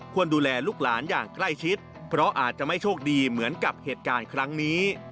ดูแลลูกหลานอย่างใกล้ชิดเพราะอาจจะไม่โชคดีเหมือนกับเหตุการณ์ครั้งนี้